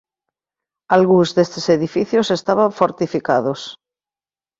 Algúns destes edificios estaban fortificados.